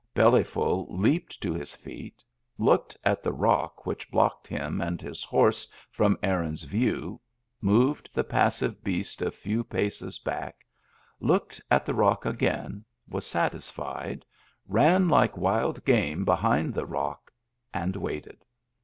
Bellyful leaped to his feet, looked at the rock which blocked him and his horse from Aaron's view, moved the passive beast a few paces back, looked at the rock again, was satisfied, ran like wild game behind the rock, and waited.